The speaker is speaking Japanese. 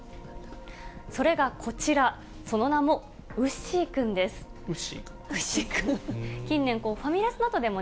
それがこちら、その名も、ウッシウッシーくん？